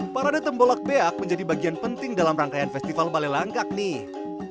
parade tembolak beak menjadi bagian penting dalam rangkaian festival bale langkag nih